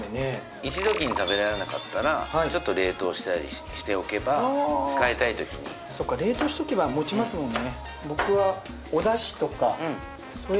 一度に食べられなかったらちょっと冷凍したりしておけば使いたいときにそっか冷凍しとけばもちますもんね